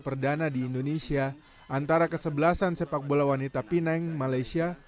perdana di indonesia antara kesebelasan sepak bola wanita pineng malaysia